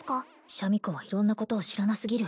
シャミ子は色んなことを知らなすぎる